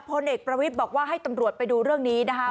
พลเอกประวิทย์บอกว่าให้ตำรวจไปดูเรื่องนี้นะคะ